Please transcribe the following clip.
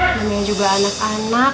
namanya juga anak anak